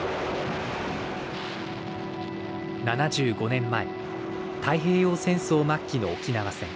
７５年前太平洋戦争末期の沖縄戦。